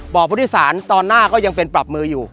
บ่อพุทธศาลตอนหน้าก็ยังเป็นปรับมืออยู่